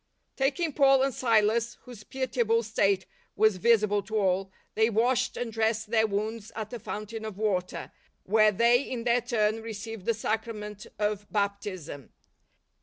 Taking Paul and Silas, whose pitiable state was visible to all, they washed and dressed their wounds at a fountain of w'ater, where they in their turn received the Sacrament of Baptism.